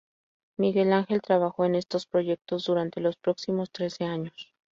Miguel Ángel trabajó en estos proyectos durante los próximos trece años.